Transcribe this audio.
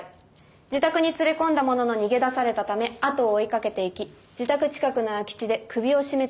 自宅に連れ込んだものの逃げ出されたため後を追いかけていき自宅近くの空き地で首を絞めて殺害。